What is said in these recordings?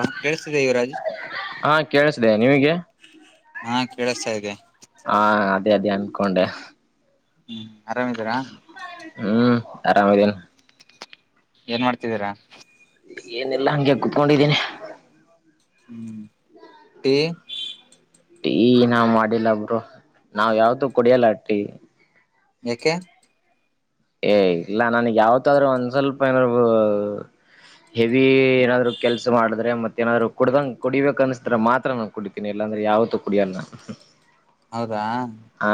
ಹಾ ಕೇಳಿಸ್ತಿದೆ ಯುವರಾಜ್ ಹಾ ಕೇಳಿಸ್ತಿದೆ ನಿಮಗೆ ಹಾ ಕೇಳಿಸ್ತಾ ಇದೆ ಹಾ ಅದೇ ಅನ್ಕೊಂಡೆ [inaudible] ಆರಾಮದ್ದೀರಾ [unintelligible] ಹ್ಮ್ ಆರಾಮ್ ಇದ್ದೀನಿ ಏನ್ ಮಾಡ್ತಿದ್ದೀರಾ ಏನಿಲ್ಲ ಹಂಗೇ ಕುತ್ಕೊಂಡಿದ್ದೀನಿ ಹ್ಮ್ ಎ ಟೀ ಮಾಡಿಲ್ಲ ಬ್ರೋ ನಾವು ಯಾವತ್ತೂ ಕುಡಿಯಲ್ಲ ಟೀ ಯಾಕೆ. ಹೆ ಇಲ್ಲ ನಂಗೆ ಯಾವತ್ತಾದರೂ ಒಂದು ಸ್ವಲ್ಪ ಏನಾದರೂ ಹೆವಿ ಏನಾದ್ರು ಕೆಲಸ ಮಾಡಿದರೆ ಮಧ್ಯಾಹ್ನ ಕುಡಿಬೇಕು ಅನಿಸಿದ್ರೆ ಮಾತ್ರ ಕುಡಿತಿನಿ ಇಲ್ಲ ಅಂದ್ರೆ ಯಾವತ್ತು ಕುಡಿಯಲ್ಲ. [unintelligible] ಹ್ಹಾ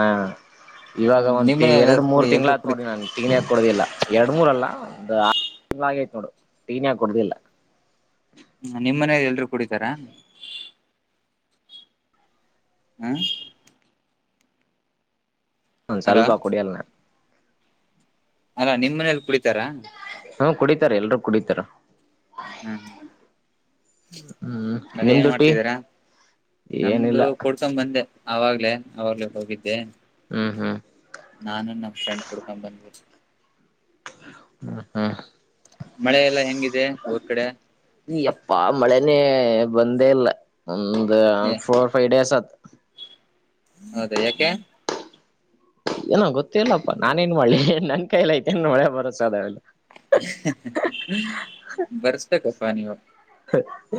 ಇವಾಗ ಒಂದ್ ನಿಮ್ಮನೆ ಎಲ್ಲ ಎರಡು ಮೂರು ಕುಡಿ ತಿಂಗಳ ಎಲ್ರು ಆಯ್ತು ಕುಡಿ ನೋಡಿ ನಾನು ಟೀನೆ ಕುಡಿದಿಲ್ಲ. ಎರಡು ಮೂರಲ್ಲ ಒಂದು ಆರು ತಿಂಗಳಾಯ್ತು, ನೋಡು ನಾನು ಟೀನೇ ಕುಡಿದಿಲ್ಲ. [inaudible] ಕುಡಿತರ? ಹ್ಹಾ ಹ್ ಒಂದ್ ಅಲೋ ಸ್ವಲ್ಪ ಕುಡಿಯಲ್ಲ ನಾ. ಹಲೋ ನಿಮ್ಮ ಮನೇಲ್ ಕುಡಿತ್ ತರ ಹಾ, ಕುಡಿತರೆ ಎಲ್ಲರೂ ಕುಡಿತಾರೆ. ಹಮ್! ಹ್ಮ್ ಸರಿ ಏನ್ ನಿಮ್ದು ಟಿ ಮಾಡ್ತಿದ್ದೀರಾ? ಏನಿಲ್ಲ ನಮ್ದು ಕುಡಿಸೋಂಡ್ ಬಂದೆ. ಆವಾಗ್ಲೇ, ಅವಾಗ್ಲೇ ಹೋಗಿದ್ದೆ. ಆಹಾ ಹ್ ಹ್. ನಾನು ನಮ್ ಫ್ರೆಂಡು ಕೊಡ್ಕಂಡ್ಬಂದ್ವಿ. ಹೂ ಹೂ ಮಳೆ ಎಲ್ಲಾ ಹೆಂಗಿದೆ ಊರ್ ಕಡೆ ಹೇ, ಯಪ್ಪಾ ಮಳೆನೇ ಹೇ ಬಂದೇ ಇಲ್ಲ. ಹೂಂ ಹೂ ಒಂದು ಏ ಫೋರ್ ಫೈವ್ ಡೇಸ್ ಆಯ್ತು. ಹ್ಹಾ, ಅದೇ ಯಾಕೆ? ಏನೋ ಗೊತ್ತಿಲ್ಲಪ್ಪ ನಾ ಏನ್ ಮಾಡ್ಲಿ? ನನ್ ಕೈಯಲ್ಲಿ ಐತೇನು ಮಳೆ ಬರ್ಸೋದು ಹೇಳು. [inaudible] ಹ್ ಹೂ!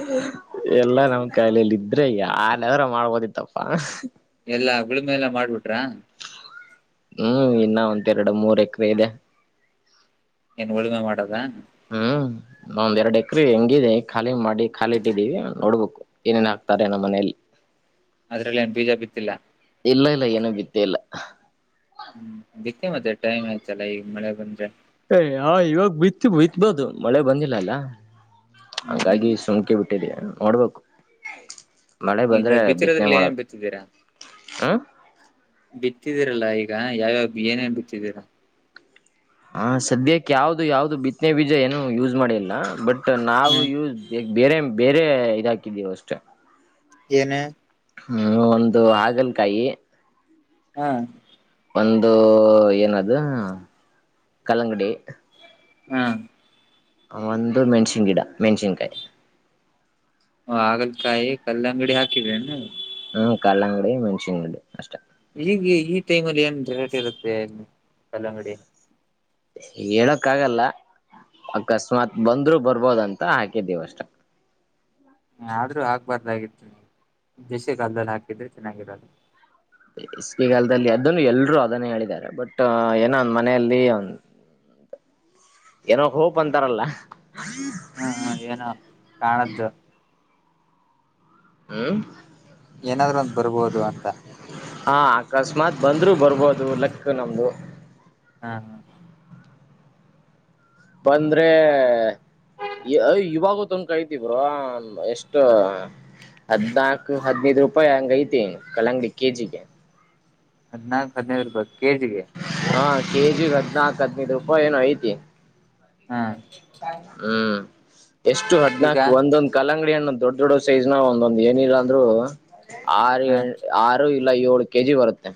ಎಲ್ಲಾ ನಮ್ ಕೈಲಿದ್ರೆ ಏನ್ ಮಾಡಬಹುದಿತ್ತಪ್ಪ! ಎಲ್ಲಾ ಅದರ ಮೇಲೆ ಮಾಡ್ಬಿಟ್ರಾ? ಹೂ! ಇನ್ನ ಒಂದು ಎರಡು ಮೂರು ಎಕರೆ ಇದೆ. ಏನು ಉಳಿಮೆ ಮಾಡೋದು... ! ಹೂ! ಒಂದೆರಡು ಎಕರೆ ಖಾಲಿ ಮಾಡಿ ಖಾಲಿ ಇಟ್ಟಿದ್ದೀವಿ ನೋಡಬೇಕು, ಏನೇನ್ ಹಾಕ್ತಾರೆ? ಎಲ್ಲಿ? ಎಲ್ಲಿ? ಅದರಲ್ಲೇನೂ ಬಿಜೆಪಿ ಇಲ್ಲ? ಇಲ್ಲ, ಇಲ್ಲ, ಏನು ಬಿತ್ತೆ ಇಲ್ಲ.. ಬಿತ್ತನೆಗೆ ಸರಿ ಅಲ್ಲ, ಈಗ ಮಳೆ ಬಂದ್ರೆ! ! ಏ! ಹ್! ಇವಾಗ ಬಿತ್ತು ಬಿತ್ತು ಬೋದು ಮಳೆ ಬಂದಿಲ್ಲ ಅಲ್ಲ! ಹ್ಮ್ ಹ್ಮ್ ಹಂಗಾಗಿ..... ! ಸೋಮ್ ಹ್ಮ್ಮ್! ನೋಡ್ಬೇಕು. ಮಳೆ ಬಂದ್ರೆ ಈಗ ಬಿತ್ತನೆ ಬಿತ್ತಿರೋದ್ರಲ್ಲಿ ಏನ್ ಮಾಡೋದು.. ಬಿತ್ತಿದ್ದೀರಾ ! ಹ್ಹಾ! ಬೀರಿದರಲ್ಲ ಇವಾಗ ಏನ್? ಏನ್? ಬಿತ್ತಿದಿರಾ.. ! ಹ್ಹಾ! ಸದ್ಯಕ್ಕೆ ಯಾವ ಯಾವುಡು ಬಿತ್ತಿ ಬೀಜ ಏನ್ ಯೂಸ್ ಮಾಡಿಲ್ಲ. ಬಟ್ ಹ್! ನಾವೂ... ಹ್ಮ್ ಬೇರೆ! ಬೇರೆ.... ! [inaudible] ಹ್ಹಾ.... ! ಒಂದು ಆಗುತ್ತೆ..... ಹೇ.... ! ಹ್ಮ್ಮ್ ಬಂದು ಏನದು ಕಲ್ಲಂಗಡಿ ಹ್ಮ್ಮ್ ಒಂದು ಮೆಣಸಿನ್ ಗಿಡ ಮೆಣಸಿನ ಕಾಯಿ ಹಾಗಲ್ ಕಾಯಿ ಕಲ್ಲಂಗಡಿ ಹಾಕಿರೇನು ಹ್ಮ್ಮ್ ಕಲ್ಲಂಗಡಿ ಮೆಣಸಿನ್ ಗಿಡ ಅಷ್ಟ ಈಗ್ ಈ ಟೈಮ್ ಅಲ್ಲಿ ಎನ್ ರೇಟ್ ಇರುತ್ತೆ ಕಲ್ಲಂಗಡಿ ಹೇಳೋಕಗಲ್ಲ ಅಕಸ್ಮಾತ್ ಬಂದ್ರು ಬರಬಹುದು ಅಂತಾ ಹಾಕಿದೀವಿ ಅಷ್ಟ ಆದ್ರೂ ಹಾಕಬರ್ದಗಿತ್ತು ಬಿಸಿಗಲದಲ್ಲಿ ಹಾಕಿದ್ರೆ ಚನಾಗಿರದು ಬೇಸಿಗೆಗಲ್ದಲ್ಲಿ ಅದನ್ನು ಎಲ್ರು ಹೇಳಿದರೆ ಬಟ್ ಏನೋ ಒಂದು ಮನೆಯಲ್ಲಿ ಹ್ಮ್ಮ್ ಏನೋ ಹೋಪ್ ಅಂತಾರಲ್ಲ ಹ್ಮ್ಮ್ ಹ್ಮ್ಮ್ ಏನೋ ನನನ್ತು ಹ್ಮ್ಮ್ ಏನಾದ್ರೂ ಒಂದ್ ಬರಬಹುದು ಅಂತಾ ಹ್ಮ್ಮ್ ಅಕಸ್ಮಾತ್ ಬಂದ್ರು ಬರಬಹುದು ಲಕ್ ನಮ್ದು ಹ್ಮ್ ಹ್ಮ್ಮ್ ಬಂದ್ರೆ ಹಾ ಈ ತುಮ್ಕೈತಿ ಬ್ರೋ ಎಷ್ಟು ಅದ್ನಾಕು ಅದ್ನೈದು ರೂಪಾಯಿ ಹಂಗೈತಿ ಕಲ್ಲಂಗಡಿ ಕೆಜಿ ಗೆ ಅದ್ನಕ್ ಅದ್ನೈದ್ ಇರಬಹುದ್ ಕೆಜಿ ಗೆ ಕೆಜಿ ಗ್ ಅದ್ನಾಕ್ ಅಧ್ನೈದ್ ರೂಪಾಯಿ ಏನೋ ಐತಿ ಹಾ ಹ್ಮ್ಮ್ ಎಷ್ಟು ಈಗ ಅದ್ನಕು ಒಂದ್ ಒಂದ್ ಕಲ್ಲಂಗಡಿ ನು ದೊಡ್ ದೊಡ್ಡ್ ಸೈಜ್ನ ಒಂದ್ ಒಂದ್ ಏನಿಲ್ಲ ಅಂದ್ರು ಆರ್ ಎ ಹ ಆರ್ ಹ್ಮ್ಮ್ ಇಲ್ಲ ಏಳು ಕೆಜಿ ಬರುತ್ತೆ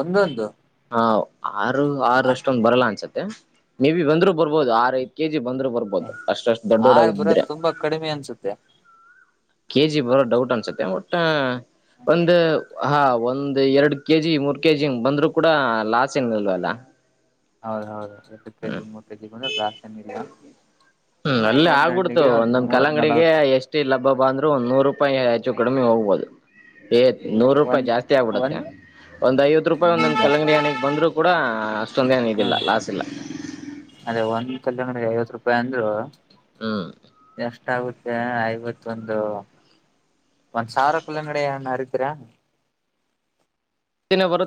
ಒಂದ್ ಒಂದು ಹ್ಮ್ಮ್ ಆರು ಆರೋಷ್ಟೊಂದು ಬರಲ್ಲ ಅನ್ಸು ಮತ್ತೆ ಮೇ ಬಿ ಬಂದ್ರು ಬರಬಹುದು ಆರ್ ಐದ್ ಕೆಜಿ ಬಂದ್ರು ಅ ಬರಬಹುದು ಅಷ್ಟ ಅಷ್ಟ್ ದೊಡ್ಡ್ ದೊಡ್ದ್ವು ಆರ್ ಬರೋದ್ ಇದ್ರೆ ತುಂಬಾ ಕಡಿಮೆ ಅನ್ಸುತ್ತೆ [inaudible] ಹ್ಮ್ಮ್ ಹ್ಮ್ಮ್ ಹ್ಮ್ಮ್ ಅಲ್ಲೇ ಒಂದ್ ಆಗಿಬಿಡ್ತು ಹಣ್ಣಿಗೆ ಒಂದ್ ಒಂದ್ ಮೂವತ್ ಕಲ್ಲಂಗಡಿ ನಲ್ವತ್ ಎಷ್ಟೇ ಆರ್ ವಾತ್ ರೂಪಾಯಿ ಅಂದ್ರು ಒಂದ್ ನೂರುಪಾಯಿ ಹೆಚ್ಚು ಕಡಿಮೆ ಹೋಗ್ಬಹುದ್ ಹೇ ನೂರೂಪಾಯಿ ಒಂದ್ ಜಾಸ್ತಿ ಆಗಿಬಿಡುತ್ತೆ ಒಂದ್ ಒಂದ್ ಐವತ್ರುಪಾಯಿ ಒಂದ ಕಲ್ಲಂಗಡಿ ಹಣ್ಣು ಬಂದ್ರು ಕೂಡ ಹ್ಮ್ಮ್ ಸುಮ್ನೆ ಹಂಗಿಲ್ಲ ಹ್ಮ್ ಲಾಸ್ ಇಲ್ಲ ಐವತ್ರೂಪಾಯಿ ಅಂದ್ರು ಹ್ಮ್ ಹ್ಮ್ಮ್ ತಾ ಊಟ ಐವತ್ತೊಂದು ಒಂದು ಸಾವಿರ ಕಲಂಗಡಿ ಹಣ್ಣು ಅರಿತಿರ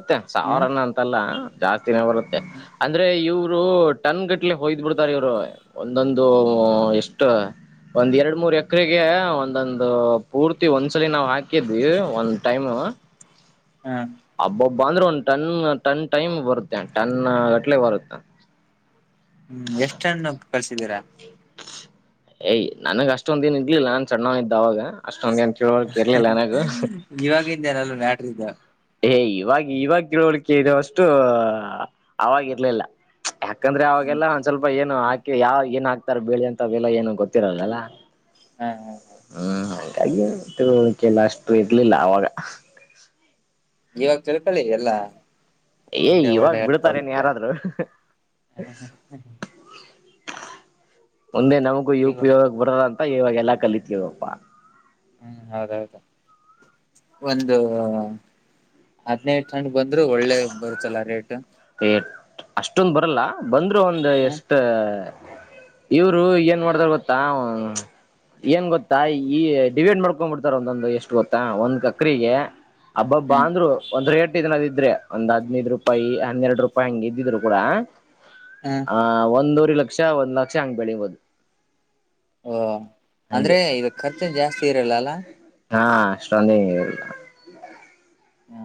ಮತ್ತೇನ್ ಸಾವಿರ ಹ್ಮ್ ನ ಅಂತಲ್ಲ ಜಾ ದಿನ ಬರುತ್ತೆ ಆದ್ರೆ ಇವ್ರು ಇವ್ರು ಟನ್ ಗೇಟ್ಲ್ ಹೊಯ್ಬಿಡ್ತಾರಾ ಇವ್ರು ಒಂದೊಂದು ಎಷ್ಟು ಒಂದು ಎರಡು ಮೂರು ಎಕರೆಗೆ ಒಂದೊಂದು ಪೂರ್ತಿ ಒಂದ್ ಸಲಿ ಹಾಕಿದ್ವಿ ಒನ್ ಟೈಮು ಹ್ಮ್ ಬಂದ್ರು ಒನ್ ಟನ್ ಟನ್ ಟೈಮ್ ಬರುತ್ತ ಟನ್ ಗಟ್ಲ್ ಬರುತ್ತ ಎಷ್ಟು ಕಲ್ಸಿದಿರಾ ಏ ನನಗ ಅಷ್ಟೊಂದು ಏನ್ ಇರ್ಲಿಲ್ಲ ನನ್ ಸಣ್ಣವ ಇದ್ದೆ ಅವಾಗ ಅಷ್ಟೊಂದ ಏನ್ ತಿಳುವಳಿಕೆ ಇರ್ಲಿಲ್ಲ ನನಗ ಇವಾಗಿದ್ದೇನಲೂ ಇದಾ ಇವಾಗ್ ಇವಾಗ ತಿಳುವಳಿಕೆ ಇರುವಷ್ಟು ಅವಾಗ್ ಇರ್ಲಿಲ್ಲ ಯಾಕಂದ್ರೆ ಹ್ಮ್ ಅವಗೆಲ್ಲ ಒನ್ ಸ್ವಲ್ಪ ಏನೋ ಯಾಕೆ ಏನ್ ಹಾಕ್ತಾರೆ ಬೇಳೆ ಅಂತ ಏನು ಗೊತಿರಲ್ಲ ಅಲ್ಲ ಹ್ಹ-ಹ್ಹ ಆಯೋ ತಿಳುವಳಿಕೆ ಎಲ್ಲಾ ಅಷ್ಟು ಇರ್ಲಿಲ್ಲ ಅವಗೆಲ್ಲಾ ಇವಾಗ ತಿಳ್ಕೊಳ್ಳಿ ಎಲ್ಲಾ ಏ ಮುಂದೆ ಒಳ್ಳೆ ಇವಾಗ ಹೆಲ್ಪ್ ಬಿಡ್ತರೇನ್ ಆಗುತ್ತೆ ಯಾರಾದ್ರೂ ಮುಂದೆ ನಮಗೂ ಯು ಈಗ ಪಿ ಹೋಗಿಕ್ ಬರನ್ ಅಂತ ಇವಗೆಲ್ಲ ಕಲಿತಿವಪ್ಪ ಹು ಹೌದೌದು ಒಂದು ಹತ್ ನೆ ಬಂದ್ರು ಒಳ್ಳೇದ್ ಬರುತ್ಲ ರೇಟು ಅಸ್ಟೊಂದು ಬರಲ್ಲ ಬಂದ್ರು ಒಂದು ಎಷ್ಟು ಇವ್ರು ಏನ್ ಮಾಡ್ತಾರ್ ಗೊತ್ತಾ ಏನ್ ಗೊತ್ತಾ ಈ ಡಿವೈಡ್ ಮಾಡ್ಕೊಂಡು ಬಿಡ್ತಾರ ಒಂದೊಂದು ಎಷ್ಟು ಗೊತ್ತಾ ಒಂದ್ ಎಕ್ರೆಗೆ ಹಬ್ಬಬ್ಬಾ ಹ್ಮ್ ಅಂದ್ರು ಒಂದ್ ರೇಟ್ ಏನಾದ್ರೂ ಇದ್ರೆ ಒಂದ್ ಹದಿನೈದು ರೂಪಾಯಿ ಹನ್ನೆರಡು ರೂಪಾಯಿ ಆಂಗ್ ಇದಿದ್ರೂ ಕೂಡ ಹ್ಮ್ ಆ-ಆ ಒಂದು ದಿಡ್ಲಕ್ಷ ಒಂದು ಲಕ್ಷ ಹಂಗ್ ಬೆಳೆಯಬಹುದು ಓ ಅಂದ್ರೆ ಇಗ ಕರ್ಚೆನ್ ಜಾಸ್ತಿ ಇರಲ್ಲ ಅಲ್ಲ ಆ ಅಸ್ಟೊಂದು ಏನ್ ಇರಲ್ಲ ಹ್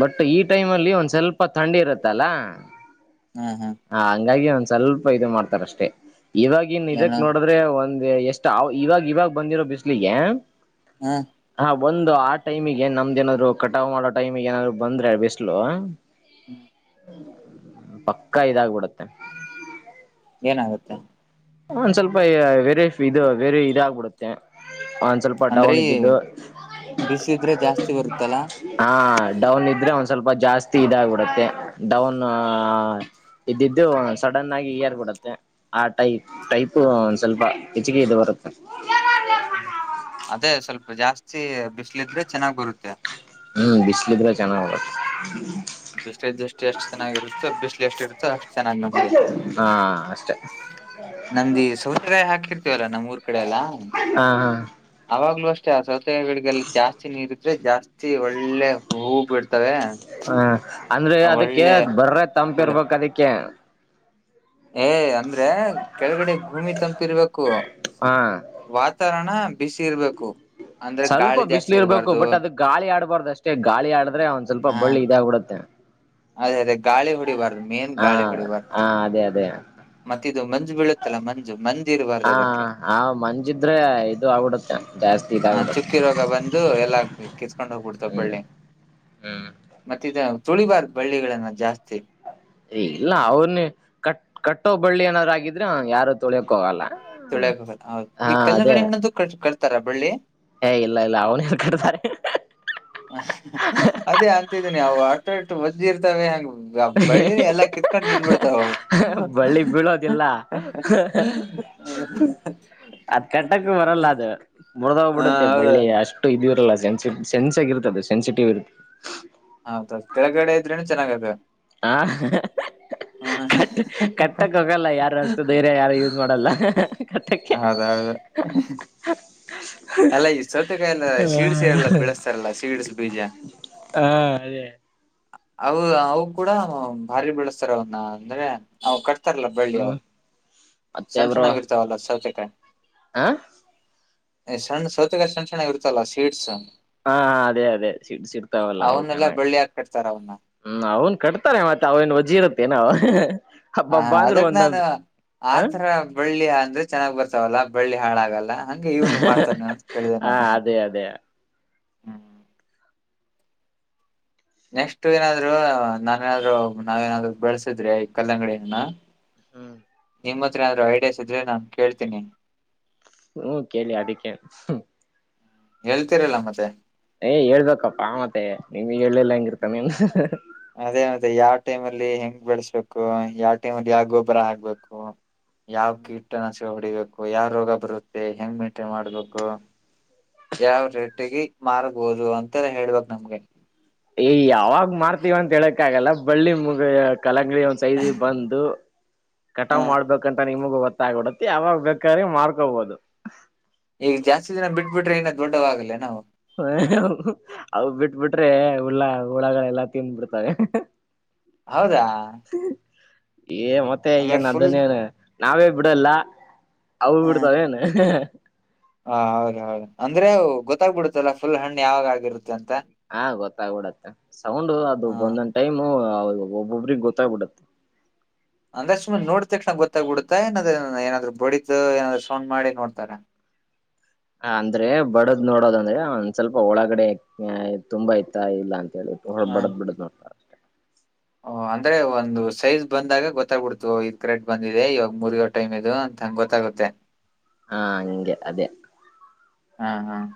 ಬಟ್ ಈ ಟೈಮ್ ಅಲ್ಲಿ ಒನ್ ಸ್ವಲ್ಪ ತಂಡಿ ಇರುತ್ತಾ ಅಲ್ಲಾ ಹ್ಮ್ ಹ್ಮ್ ಹ ಹಂಗಾಗಿ ಸ್ವಲ್ಪ ಇದನ ಮಾಡ್ತಾರೆ ಅಷ್ಟೆ ಈವಾಗಿನ ಇದಕ್ಕ ಏನು ನೋಡಿದರೆ ಒಂದ್ ಹೇಳ್ ಎಸ್ಟ ಈವಾಗ ಈವಾಗ ಬಂದಿರೋ ಬಿಸಲಿಗೆ ಹ ಒಂದು ಆ ಟೈಮಗೆ ನಮ್ದ ಏನಾದ್ರು ಕಟಾವ ಮಾಡೋ ಟೈಮಗೆ ಬಂದ್ರೆ ಬಿಸಿಲು ಹ್ ಅ ಪಕ್ಕಾ ಇದ ಆಗಿ ಬಿಡುತ್ತೆ ಏನಾಗುತ್ತೆ ಒಂದ ಸ್ವಲ್ಪ ವೆರಿಪ್ಪ್ ಇದ ವೆರಿ ಇದ ಆಗಿ ಬಿಡುತ್ತೆ ಒಂದ ಸ್ವಲ್ಪ ಅಂದ್ರೆ ಡೌನ್ ಇದಿದ್ದು ಬಿಸಿಲಿದ್ರೆ ಜಾಸ್ತಿ ಬರುತ್ತಲ್ಲ ಆ ಡೌನ್ ಇದ್ರೆ ಒಂದ್ ಸ್ವಲ್ಪ ಸ್ವಲ್ಪ ಜಾಸ್ತಿ ಇದ ಆಗಿಬಿಡುತ್ತೆ ಡೌನ್ ಇದ್ದಿದ್ದು ಸಡನ್ ಆಗಿ ಏರಿ ಬಿಡುತ್ತೆ ಟೈಪ್ ಸ್ವಲ್ಪ ಹೆಚ್ಚಗಿ ಇದ ಬರುತ್ತೆ ಅದೇ ಸ್ವಲ್ಪ ಜಾಸ್ತಿ ಬಿಸಲ ಇದ್ರೆ ಚನ್ನಾಗಿ ಬರುತ್ತೆ ಹಮ್ ಬಿಸಿಲ ಇದ್ರೆ ಚನ್ನಾಗಿ ಬರುತ್ತೆ ಬಿಸಿಲಿಂದಷ್ಟು ಎಷ್ಟ ಚನ್ನಾಗಿರುತ್ತೋ ಬಿಸಲ ಎಷ್ಟ ಇರುತ್ತೋ ಅಷ್ಟ್ ಚನ್ನಾಗಿ ನಮಗ. ಹಾ ಅಷ್ಟೆ ನಮ್ಗೆ ಸೂರ್ಯ ಹಾಕಿರ್ತೀವಿ ಅಲ್ಲ ನಮ್ಮ ಊರ ಕಡೆ ಎಲ್ಲಾ ಹಾ ಹಾ ಯಾವಾಗ್ಲೂ ಚಾಜ ಜಾಸ್ತಿ ನೀರ್ ಇರುತ್ತೆ ಜಾಸ್ತಿ ಒಳ್ಳೆ ಹೂವು ಬಿಡ್ತವೆ ಹ ಆದ್ರೆ ಅದಕ್ಕೆ ಒಳ್ಳೆ ಬರೇ ತಂಪು ಬೆಳೆ ಇರಬೇಕ ಅದುಕ್ಕೆ ಏ ಆದ್ರೆ ಕೆಳಗಡೆ ಭೂಮಿ ತಪ್ಪ ಇರಬೇಕು. ಹಾ ವಾತಾವರಣ ಬಿಸಿ ಇರ್ಬೇಕು ಅಂದ್ರೆ ಸ್ವಲ್ಪ ಗಾಳಿ ಜಾಸ್ತಿ ಬಿಸಿಲ ಇರಬೇಕು ಇರಬಾರ್ದು ಬಟ್ ಅದುಕ್ಕೆ ಗಾಳಿ ಆಡಬಾರದ ಅಷ್ಟೆ ಗಾಳಿ ಆಡಿದರೆ ಸ್ವಲ್ಪ ಹ ಬಳ್ಳಿ ಇದ ಆಗಿಬಿಡುತ್ತೆ ಅದೇ ಗಾಳಿ ಮೇನ್ ಹಾ ಗಾಳಿ ಬಡಿಬರದ್ ಹಾ ಅದೇ ಅದೇ ಮತ್ತ ಇದು ಮಂಜ ಬೀಳುತ್ತ ಅಲ್ಲಾ ಮಂಜ ಮಂಜ ಇರಬಾರದು ಹಾ ಅದಕ್ಕೆ. ಆ ಮಂಜಿದ್ರೆ ಇದು ಆಗ್ಬಿಡುತ್ತೆ ಜಾಸ್ತಿ ಇದಾಗ್ಬಿಡುತ್ತೆ ಚುಕ್ಕಿ ರೋಗ ಬಂದು ಎಲ್ಲಾ ಕಿಸ್ಕೊಂಡ್ ಹೋಗಿಬಿಡ್ತವೆ ಬಳ್ಳಿ ಹ್ಮ್ ತುಳಿಬಾರ್ದ ಬಳ್ಳಿಗಳನ್ನ ಜಾಸ್ತಿ ಏ ಇಲ್ಲ ಅವನೇ ಕಟ್ ಕಟ್ಟೋವ್ ಬಳ್ಳಿ ಏನಾದ್ರು ಆಗಿದ್ರೆ ಯಾರು ತುಳಿಯಕ್ಕ ಹೋಗಲ್ಲ ತೊಳಿಯಕಹೋಗಬಾರದ ಹ ಹೌದ ಹಾ ಈ ಅದೇ ಕಲಂಗಡಿ ಹಣ್ಣ ದು ಕೋ ತರಾ ಬಳ್ಳಿ ಏ ಇಲ್ಲಾ ಇಲ್ಲಾ ಅವ್ನ್ ಯಾರ್ ಕಟ್ಟತ್ತಾರೆ ಅದೆ ಅಂತಿದೀನಿ ಆಟೋ ಇತೋ ಬಂದಿರ್ ತನೇ ಆಗಿ ಅವು. ಬಳ್ಳಿ ಬೀಳೋದಿಲ್ಲ ಹ ಅದ ಕಟ್ಟೋಕೆ ಬರಲ್ಲ ಅದ ಮೂರದ ಹೋಗಿ ಹಾ ಬಿಡತ್ತೆ ಹೌದು ಬಳ್ಳಿ ಅಷ್ಟ ಇದ ಇರಲ್ಲ ಸೆನ್ಸ್ ಆಗಿ ಇರುತ್ತೆ ಸೆಂನ್ಸಿಟಿವ್ ಇರುತ್ತೆ ಹ್ ಅತರ್ ಕೆಳಗಡೆ ಇದ್ರೆನು ಚನ್ನಾಗಿ ಇದೆ [unintelligible] ಕಾಟಕ್ ಕಾಟಕ್ ಆಗಲ್ಲ ಅಷ್ಟ್ ಧೈರ್ಯ ಯಾರು ಉಸ್ ಮಾಡೋಲ್ಲ ಕಾಟಕೆ ಹೌದೌದು ಅಲ್ಲ ಈ ಸಾವತಾಕಾಯಿ ಯಲ್ಲ ಸಿಡ್ಸ್ಯಲ್ಲ ಬಳಸ್ತಾರಲ್ಲ ಸಿಡ್ಸ್ ಬೀಜ ಅದೇ ಆ ಅವ್ರುಕುಡಾ ಬರಿ ಬೆಳಸ್ತರ ಅದ್ನ ಅಂದ್ರೆ ಅವ್ರ್ ಇರ್ತಾರಲ್ಲ ಬೇಲಿ ಹ್ಮ್ ಅವ್ರ್ ಸಣ್ಣ ಸಣ್ಣಗ್ ಇರ್ತಾವಲ್ಲ ಸಾವತೆ [inaudible] ಹಾ ಸಣ್ಣ್ ಸೋತೆಕಾಯಿ ಸಣ್ಣ್ ಸಣ್ಣ್ ಇರ್ತಾವಲ್ಲ ಸಿಡ್ಸ್ ಹಾ ಅದೇ ಅದೇ ಸಿಕ್ ಸ್ಕಿತವಾಲ ಅವ್ವ್ ಅವನ್ನೆಲ್ಲಾ ಚನ್ನಗ್ ಬಳ್ಳಿಯಾಗಿ ಕಟ್ತಾರ ಅವನ್ನ. ಹ್ಮ್ ಅವ್ವ್ನ್ ಕಟ್ತಾನೇ ಮತ್ ಅವವ್ರ್ ವಾಜ್ ಏನ್ ಅವ್ ಆ ಹಾ ಅದಕ್ ನಾನು ಹ ಅತರ ಬೆಳ್ಳಿ ಆದ್ರೆ ಚನ್ನಾಗ್ ಬರ್ತಾವಲ್ಲ ಬೆಳ್ಳಿ ಅಳಗಲ್ಲ ಅಂಗೇ ಇವ್ನು ಮಾಡ್ತಾನ ಅಂತ ಕೇಳ್ದೆ ಹ ನನ್ ಅದೇ ಅದೇ ನೆಕ್ಸ್ಟ್ ಏನ್ ಆದ್ರೂ ನನ್ ಏನ್ ಆದ್ರೂ ನಾವ್ ಏನ್ ಆದ್ರೂ ಬೆಲ್ಸುದ್ರೆ ಈ ಕಲಂಗಡಿ ಹಣ್ಣನ ಹ್ಮ್ ನಿಮ್ ಅತ್ರ ಯಾವ್ ಆದ್ರೂ ಐಡಿಯಾಸ್ ಇದ್ರೆ ನನ್ ಕೇಳ್ತೀನಿ ಬ್ರೋ ಕೇಳಿ ಅದಕೇನು ಹೇಳ್ತೀರಲ್ಲ ಮತ್ತೆ ಹೈ ಹೇಳ್ಬೇಕಪ್ಪ ಮತ್ತೆ ನೀ ಹೇಳ್ಳೆಇಲ್ಲ ಎಂಗ್ ಇರತ ನಿಂದ್ ಎಂಗ್ ಬೆಳಸಬೇಕು ಯಾವ್ ಟೈಮ್ ಅಲ್ಲಿ ಯಾವ್ ಗೊಬ್ಬರ ಅಕ್ಬೇಕು ಯಾವ್ ಕಿಟನಶಕ ಹೊಡಿಬೇಕು ಯಾವ್ ರೋಗ ಬರತ್ತೆ ಎಂಗ್ ಮೇಂಟೈನ್ ಮಾಡ್ಬೇಕಾ ಯಾವ್ ರೇಟಗಿ ಮರ್ಬೋದು ಅಂತರ ಹೇಳ್ಬೇಕ್ ನಮಗೆ ಹೈ ಯಾವಾಗ್ ಮರ್ತಿವಿ ಅಂತ ಹೇಳಕ್ ಆಗಲ್ಲ ಬಳ್ಳಿ ಮೋಗ್ ಕಲಂಗಡಿ ಒಂದ್ ಸೈಜ್ ಬಂದ್ ಹ ಕಟಾವು ಮಾಡ್ಬೇಕ್ ಅಂತ ನಿಮ್ಗ್ ಓವತ್ತಾಗೊಡತಿ ಯಾವಾಗ್ ಬೇಕರ್ ಮಾಡ್ಕೊಬೋದು ಈಗ್ ಜಾಸ್ತಿ ದಿನ ಬಿಟಿಬಿಟ್ರೆ ಏನ ದೊಡ್ಡವಆಗಲೆನ್ ಅವ್ ಅವ್ವ್ ಬಿಟಿಬಿಟ್ರೆ ಹುಲ್ ಹುಳಗಳೆಲ ತಿಂಬಿಡ್ತವೆ ಅವದ ಏನ್ ಮತ್ತೆ ಏನ್ ಅದನ್ನ ಯಾರ್ ನಾವೇ ಬಿಡಲ್ಲ ಅವ್ವ್ ಬಿಡ್ತವೆನ್ ಹೌದ್ ಹೌದ್ ಅಂದ್ರೆ ಅವ್ ಗೊತ್ತಾಬಿಡುತ್ತಲ್ಲ ಫುಲ್ ಹ್ಯಾಂಡ್ ಅವಾಗ್ ಆಗಿರುತ್ತೆ ಅಂತ ಆ ಗೋತಗ್ಬಿಡತ ಸೌಂಡ್ ಅದು ಹ ಒಂದ್ ಒಂದ್ ಟೈಮು ಒಬೊಬ್ಬರಿಗ್ ಗೋತಗಬಿಡತೇ ಅಂದ್ರೆ ಸುಮ್ನೆ ನೋಡಿತಕ್ಷಣ ಗೊತಾಬೀಡಾತ ಏನ್ ಅದ್ ಏನ್ ಆದ್ರೂ ಬಡಿತ ಏನ್ ಆದ್ರೂ ಸೌಂಡ್ ಮಾಡಿ ನೋಡ್ತಾರಾ ಆ ಅಂದ್ರೆ ಬಡದ್ ನೋಡೋದ್ ಅಂದ್ರೆ ಸ್ವಲ್ಪ ಹೊಲಗಡೆ ತುಂಬಾ ಇತ್ತ ಇಲ್ಲ ಅಂಥ ಹ ಬಡದ್ ಬಿಡದ್ ನೋಡ್ತರ್ ಅಷ್ಟೇ ಓ ಅಂದ್ರೆ ಒಂದು ಸೈಜ್ ಬಂದಾಗ ಗೋತಗಬಿಡತು ಈ ಥ್ರೆಡ್ ಈಗ ಮುರಿಯೋ ಟೈಮ್ ಇದು ಅಂತ ಗೋತಗುತೆ ಹಾ ಹಂಗೆ ಅದೇ ಹ್ಮ್ ಹ್ಮ್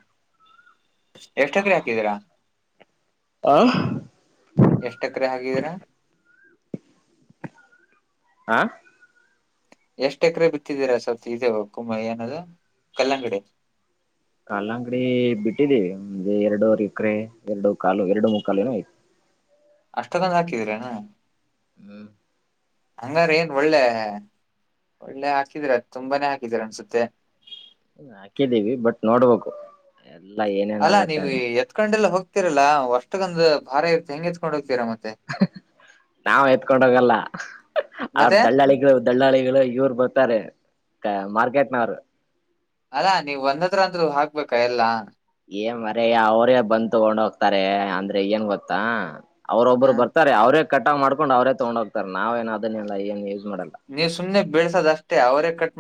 ಎಷ್ಟ್ ಎಕ್ರೆ ಹಾಕಿದ್ದೀರಾ ಆ ಎಷ್ಟ್ ಎಕ್ರೆ ಹಾಕಿದ್ದೀರಾ ಹಾ. ಎಷ್ಟ್ ಎಕ್ರೆ ಬಿದ್ದಿದಿರಾ ಸರ್ ಇದುಏನದು ಕಲಂಗ್ಡಿ ಕಲಂಗ್ರಿ ಬಿತ್ತಿದಿವಿ ಎರಡವರೆ ಎರಡು ಕಲ್ ಎರಡು ಮುಕ್ಕಾಲ್ ಏನೋ ಬಿತ್ತಿದಿವಿ [unintelligible] ಹ್ಮ್ಮ್. ಹಂಗ ಆದ್ರೆ ಒಳ್ಳೆ ಒಳ್ಳೆ ಹಾಕಿದಿರಿ ತುಂಬಾನೆ ಹಾಕಿದಿರಿ ಅನ್ಸತ್ತೆ ಹಾಕಿದೀವಿ ಬಟ್ ನೋಡ್ ಬೇಕು ಅಲ್ಲಾ ನೀವ್ ಇಡ್ಕೊಂಡ್ ಒಗ್.. [inaudible] ಹುಹಃ ನಾವು ಇತ್ಕೊಂಡು ಹೋಗಲ್ಲ ಹ್ಮ್ಮ್ಹ್ಹ್ ಅವ್ರು ಮತ್ತೆ ದಲ್ಲಾಳಿಗಳು ದಲ್ಲಾಳಿಗಳು ಎತ್ಕೊಂಡ್ ಹೋಗ್ತಾರೆ ಮಾರ್ಕೆಟ್ ನವ್ರು ಅಲ್ಲಾ ನೀವು ಹೊಸದಾದ್ರು ಯಾಕ್ಬೇಕ ಎಲ್ಲ ಹೇ ಮಾರಾಯ ಅವ್ರೆ ಬಂದು ತಕೊಂಡು ಹೋಗ್ತಾರೆ ಅಂದ್ರೆ ಏನ್ ಗೊತ್ತ ಹ ಅವರೋಬ್ರು ಬರ್ತರೆ ಅವ್ರೆ ಕಾಟಪ್ ಮಾಡ್ಕೊಂಡು ಅವ್ರೆ ತಕೊಂಡ್ ಹೋಗ್ತಾರೆ ನಾವೇನ್ ಅದನ್ನೆಲ್ಲ ಏನ್ ಮಾಡಲ್ಲ ನೀವ ಸುಮ್ನೆ ಬೇಳಸೋದ ಅಷ್ಟೇ ಅವರೇ ಕಟ್...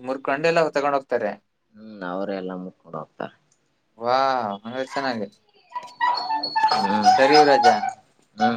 [inaudible] ತ್ತಾರೆ ಹ್ಮ್ ಅವ್ರೆ ಎಲ್ಲ ಮುಟ್ಕೊಂಡ್ ಹೋಗ್ತಾರೆ ವಾವ್ ತುಂಬಾ ಚೆನ್ನಾಗಿದೆ ಹ್ಮ್ ಸರಿ ಯುವರಾಜ ಹ್ಮ್